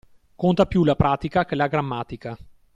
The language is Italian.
Conta più la pratica che la grammatica.